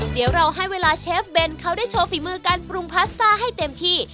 เดี๋ยวเราให้เวลาเชฟเบนเขาได้โชว์ฝีมือการปรุงพาสต้าให้เต็มที่